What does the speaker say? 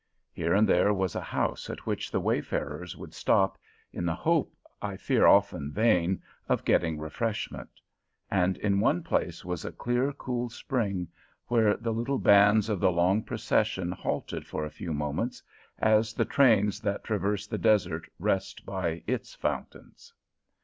Here and there was a house at which the wayfarers would stop, in the hope, I fear often vain, of getting refreshment; and in one place was a clear, cool spring, where the little bands of the long procession halted for a few moments, as the trains that traverse the desert rest by its fountains.